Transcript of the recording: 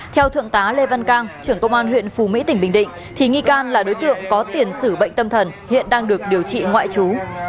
theo thượng tá lê văn cang trưởng công an huyện phù mỹ tỉnh bình định thì nghi can là đối tượng có tiền sử bệnh tâm thần hiện đang được điều trị ngoại trú